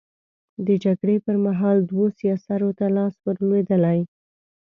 د جګړې پر مهال دوو سياسرو ته لاس ور لوېدلی.